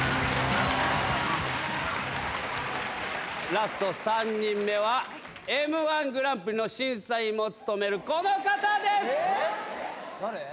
ラスト３人目はＭ−１グランプリの審査員も務めるこの方です！